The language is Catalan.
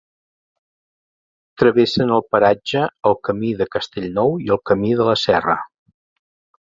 Travessen el paratge el Camí de Castellnou i el Camí de la Serra.